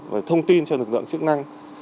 và thông tin cho lực lượng chức năng